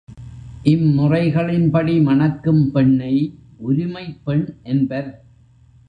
இம் முறைகளின்படி மணக்கும் பெண்ணை உரிமைப் பெண் என்பர்.